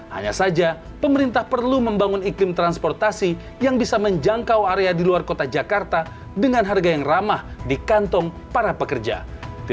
hanya saja pemerintah perlu membangun iklim transportasi yang bisa menjangkau area di luar kota jakarta dengan harga yang ramah di kantong para pekerja